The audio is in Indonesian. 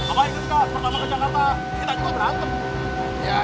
apa yang kita lakukan pertama ke jakarta